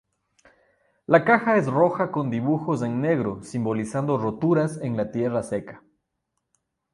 La caja es roja con dibujos en negro simbolizando roturas en la tierra seca.